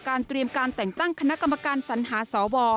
เตรียมการแต่งตั้งคณะกรรมการสัญหาสว